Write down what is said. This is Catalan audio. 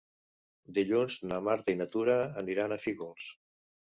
Dilluns na Marta i na Tura aniran a Fígols.